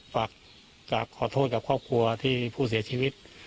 ฝากขอโทษกับครอบครัวที่ผู้เสียชีวิต